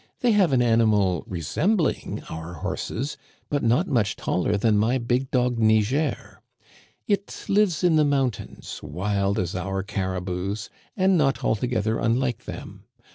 They have an animal resembling our horses, but not much taller than my big dog Niger. It lives in the mountains, wild as our caribous, and not altogether unlike them.